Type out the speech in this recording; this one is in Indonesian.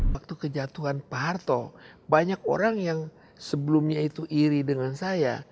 waktu kejatuhan pak harto banyak orang yang sebelumnya itu iri dengan saya